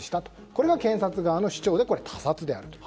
これが検察側の主張で他殺であると。